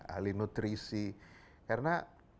ahli nutrisi karena